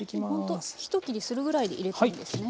あっほんと一切りするぐらいで入れていいんですね。